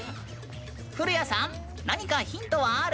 古谷さん何かヒントはある？